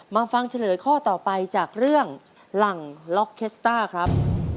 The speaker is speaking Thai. ฟังเฉลยข้อต่อไปจากเรื่องหลังล็อกเคสต้าครับ